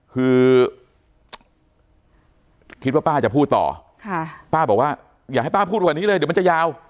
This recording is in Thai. คือคิดว่าป้าจะพูดต่อค่ะป้าบอกว่าอย่าให้ป้าพูดกว่านี้เลยเดี๋ยวมันจะยาว